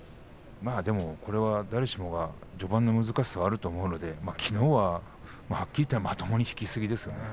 それは誰しも序盤の難しさはあると思うのできのうははっきり言ってまともにいきすぎですね。